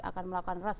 akan melakukan rush